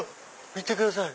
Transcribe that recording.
見てください